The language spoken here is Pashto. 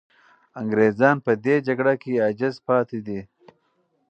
انګریزان په دې جګړه کې عاجز پاتې دي.